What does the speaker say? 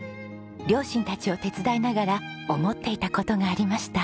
両親たちを手伝いながら思っていた事がありました。